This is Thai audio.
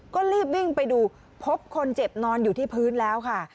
ก็รีบวิ่งไปดูพบคนเจ็บนอนอยู่ที่พื้นแล้วค่ะ